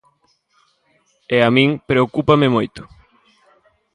E a min preocúpame moito.